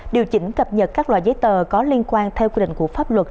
điều chỉnh cập nhật các loại giấy tờ có liên quan theo quy định của pháp luật